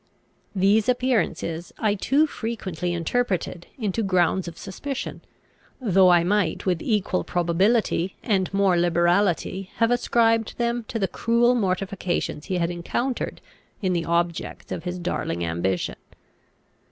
These appearances I too frequently interpreted into grounds of suspicion, though I might with equal probability and more liberality have ascribed them to the cruel mortifications he had encountered in the objects of his darling ambition.